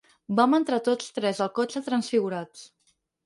Vam entrar tots tres al cotxe transfigurats.